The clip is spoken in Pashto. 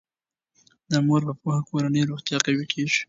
د مور په پوهه کورنی روغتیا قوي کیږي.